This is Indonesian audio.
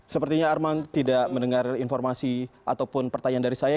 sepertinya arman tidak mendengar informasi ataupun pertanyaan dari saya